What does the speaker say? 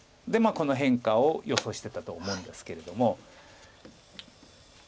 でこの変化を予想してたと思うんですけれども。